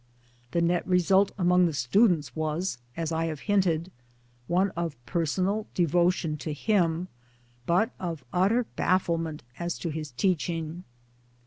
The net result among the students was, as I have hinted, one of personal devotion to him, but of utter bafflement as to his teaching.